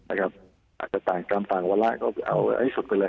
อาจจะต่างกรรมต่างวันล่ะก็เอาไว้ให้ชดไปเลย